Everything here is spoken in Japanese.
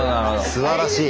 すばらしい。